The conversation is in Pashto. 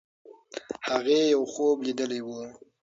هغې یو خوب لیدلی وو.